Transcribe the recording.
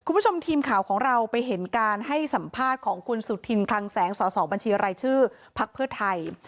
คุณผู้ชมทีมข่าวของเราไปเห็นการให้สัมภาษณ์ของคุณสุธินคลังแสงสสบัญชีรายชื่อพักเพื่อไทย